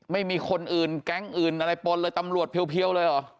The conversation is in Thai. ไม่มีคนอื่นแก๊งอื่นอะไรปนเลยตำรวจเพียวเลยเหรอ